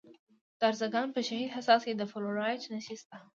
د ارزګان په شهید حساس کې د فلورایټ نښې شته.